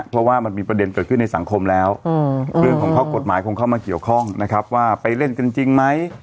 เพราะว่ามันมีประเด็นเกิดขึ้นในสังคมแล้วเรื่องของข้อกฎหมายคงเข้ามาเกี่ยวข้องนะครับว่าไปเล่นกันจริงไหม